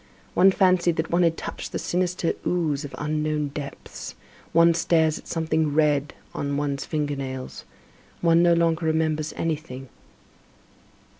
One fancied that one had touched the sinister ooze of unknown depths; one stares at something red on one's finger nails. One no longer remembers anything.